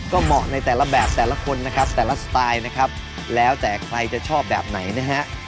ก็เหมาะในแต่ละแบบแต่ละคนนะครับแต่ละสไตล์นะครับแล้วแต่ใครจะชอบแบบไหนนะฮะ